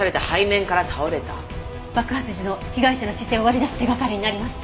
爆発時の被害者の姿勢を割り出す手掛かりになります。